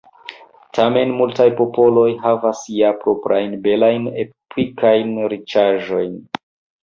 Tamen multaj popoloj havas ja proprajn belajn epikajn riĉaĵojn.